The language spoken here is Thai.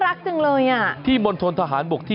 มาเพื่อเป็นกำลังใจให้กับกำลังพลที่รับรัฐกาลทหารในค่ายแห่งนี้